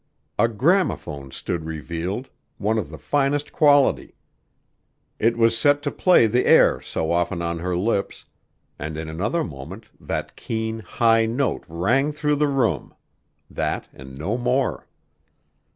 A graphophone stood revealed, one of the finest quality. It was set to play the air so often on her lips, and in another moment that keen, high note rang through the room, that and no more.